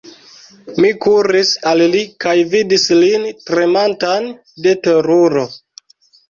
Mi kuris al li kaj vidis lin tremantan de teruro.